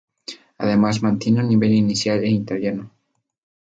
Además mantiene un nivel inicial en italiano.